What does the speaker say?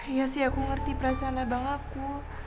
iya sih aku ngerti perasaan abang aku